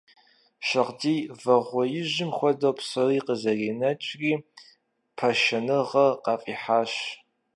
Шагъдий вагъуэижым хуэдэу псори къызэринэкӀри, пашэныгъэр къафӀихьащ.